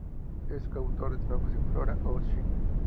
Es coautor de trabajos en "Flora of China".